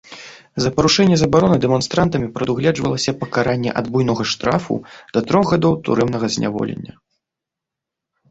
За парушэнне забароны дэманстрантамі прадугледжвалася пакаранне ад буйнога штрафу да трох гадоў турэмнага зняволення.